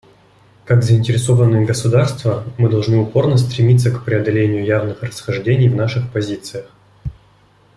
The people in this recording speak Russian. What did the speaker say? Как заинтересованные государства, мы должны упорно стремиться к преодолению явных расхождений в наших позициях.